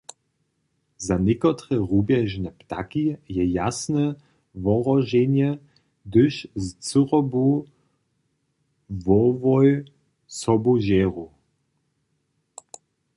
Za někotre rubježne ptaki je jasne wohroženje, hdyž z cyrobu wołoj sobu žeru.